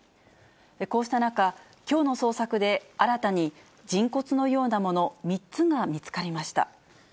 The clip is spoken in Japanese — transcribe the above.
こうした中、きょうの捜索で新たに人骨のようなもの３つが見つかりました。